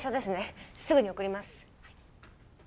すぐに送ります